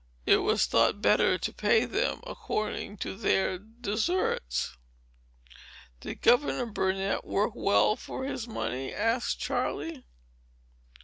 It was thought better to pay them according to their deserts." "Did Governor Burnet work well for his money?" asked Charley.